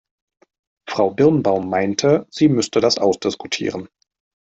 Frau Birnbaum meinte, sie müsste das ausdiskutieren.